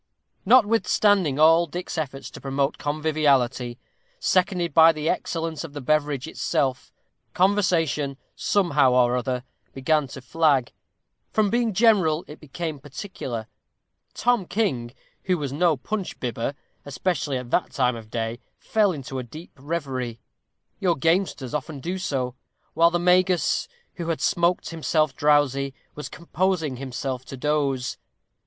Notwithstanding all Dick's efforts to promote conviviality, seconded by the excellence of the beverage itself, conversation, somehow or other, began to flag; from being general it became particular. Tom King, who was no punch bibber, especially at that time of day, fell into a deep reverie; your gamesters often do so; while the Magus, who had smoked himself drowsy, was composing himself to a doze.